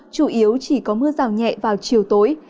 chủ yếu chỉ có mưa rào nhẹ vào chiều tối